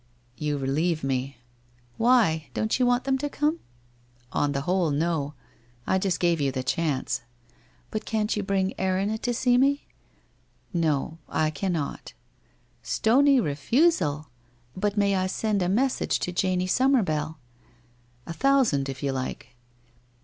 ' You relieve me.' * Why ? Don't you want them to come ?'' On the whole, no. I just gave you the chance/ ' But can't you bring Erinna to see me ?'' No, I cannot.' 1 Stony refusal ! But may I send a message to Janie Summerbell ?'* A thousand, if you like.'